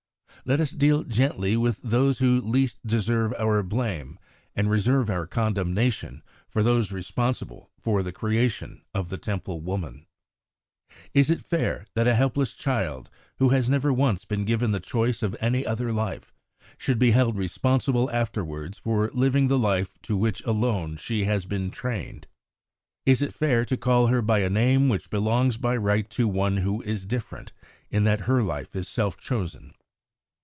Let us deal gently with those who least deserve our blame, and reserve our condemnation for those responsible for the creation of the Temple woman. Is it fair that a helpless child, who has never once been given the choice of any other life, should be held responsible afterwards for living the life to which alone she has been trained? Is it fair to call her by a name which belongs by right to one who is different, in that her life is self chosen?